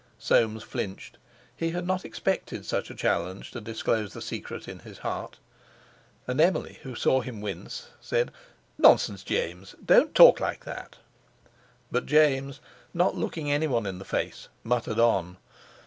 Soames flinched. He had not expected such a challenge to disclose the secret in his heart. And Emily, who saw him wince, said: "Nonsense, James; don't talk like that!" But James, not looking anyone in the face, muttered on.